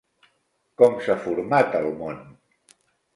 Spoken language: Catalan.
Com s'ha format el món?